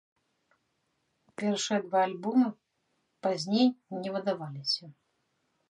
Першыя два альбомы пазней не выдаваліся.